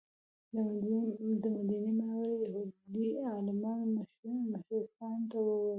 د مدینې منورې یهودي عالمانو مشرکانو ته وویل.